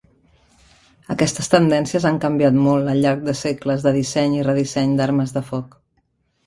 Aquestes tendències han canviat molt al llarg de segles de disseny i redisseny d'armes de foc.